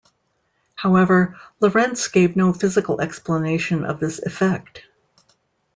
However, Lorentz gave no physical explanation of this effect.